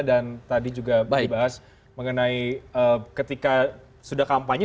dan tadi juga dibahas mengenai ketika sudah kampanye